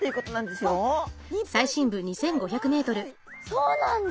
そうなんだ。